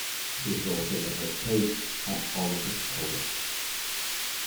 He was also the head coach at Olivet College.